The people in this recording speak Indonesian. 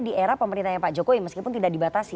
di era pemerintahnya pak jokowi meskipun tidak dibatasi